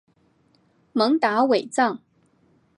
蒙达韦藏。